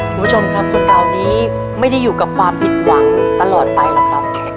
คุณผู้ชมครับคุณเตานี้ไม่ได้อยู่กับความผิดหวังตลอดไปหรอกครับ